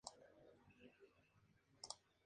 El vencedor final el italiano Michele Mara.